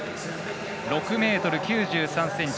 ６ｍ９３ｃｍ。